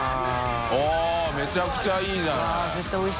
◆めちゃくちゃいいじゃない。